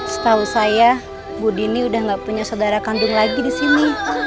setahu saya bu dini udah gak punya saudara kandung lagi di sini